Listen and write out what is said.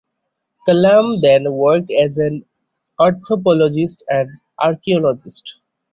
Collum then worked as an anthropologist and archaeologist.